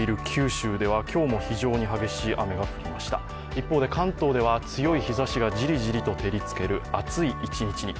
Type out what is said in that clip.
一方で関東では強い日ざしがジリジリと照りつける暑い一日に。